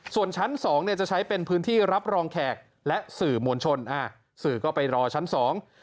ส่วนชั้นสองเนี่ยจะใช้เป็นพื้นที่รับรองแขกและสื่อมวลชนอ่าสื่อก็ไปรอชั้นสอง